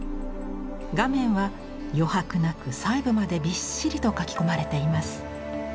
画面は余白なく細部までびっしりと描き込まれています。